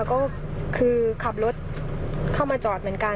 มันก็แคบรถเข้ามาจอดเหมือนกัน